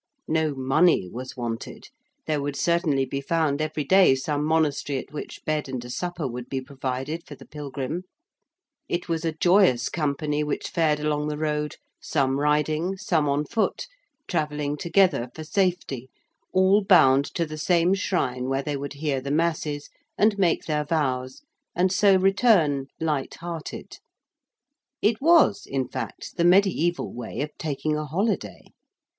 No money was wanted: there would certainly be found every day some monastery at which bed and a supper would be provided for the pilgrim: it was a joyous company which fared along the road, some riding, some on foot, travelling together for safety, all bound to the same shrine where they would hear the masses and make their vows and so return, light hearted: it was, in fact, the mediæval way of taking a holiday.